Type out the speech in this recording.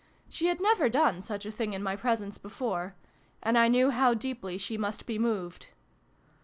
She had never done such a thing in my presence before, and I knew how deeply she must be moved.